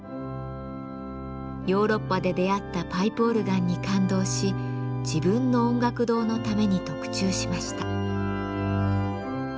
ヨーロッパで出会ったパイプオルガンに感動し自分の音楽堂のために特注しました。